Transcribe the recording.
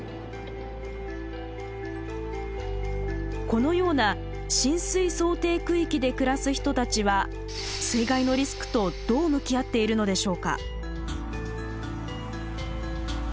このような浸水想定区域で暮らす人たちは水害のリスクとどう向き合っているのでしょうか。